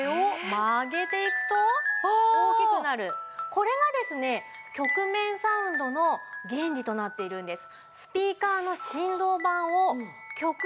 これがですね曲面サウンドの原理となっているんです。